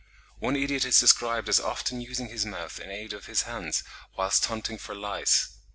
One idiot is described as often using his mouth in aid of his hands, whilst hunting for lice.